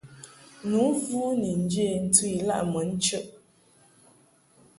Nu vu ni nje ntɨ ilaʼ mun chəʼ.